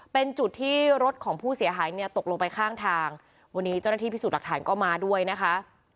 เป็นจุดที่รถของผู้เสียหายเนี่ยตกลงไปข้างทางวันนี้เจ้าหน้าที่พิสูจน์หลักฐานก็มาด้วยนะคะ